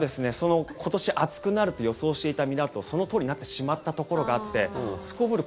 今年、暑くなると予想していた身だとそのとおりになってしまったところがあってすこぶる